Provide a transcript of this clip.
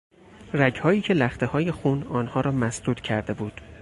رگهایی که لختههای خون آنها را مسدود کرده بود.